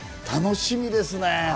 楽しみですね。